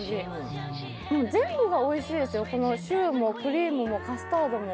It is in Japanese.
全部おいしいですよ、シューもクリームもカスタードも。